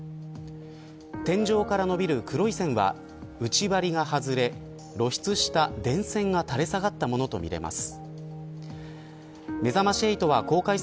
天井からのびる黒い線は内張が外れ露出した電線が垂れ下がったものとみられます。